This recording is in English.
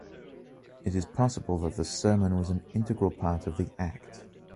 It is possible that the sermon was an integral part of the act.